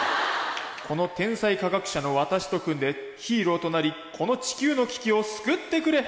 「この天才科学者の私と組んでヒーローとなりこの地球の危機を救ってくれ！」。